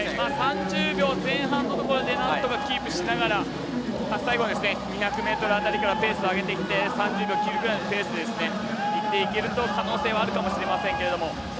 ３０秒前半をなんとかキープしながら最後は２００ｍペースを上げて３０秒切るぐらいのペースでいくと可能性はあるかもしれませんけど。